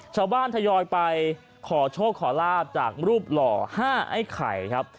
ชาวบ้านถย่อยไปขอโชคขอลาบจากรูปหล่อห้า้ไอ้ไข่ครับ